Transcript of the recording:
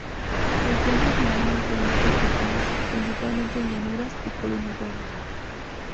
Se encuentra generalmente en grupos pequeños, principalmente en llanuras y colinas bajas.